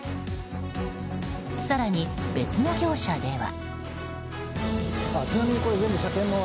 更に、別の業者では。